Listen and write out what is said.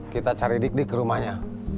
kita cari dik dik rumahnya